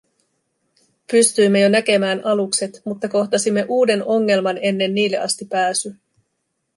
Pystyimme jo näkemään alukset, mutta kohtasimme uuden ongelman ennen niille asti pääsyä.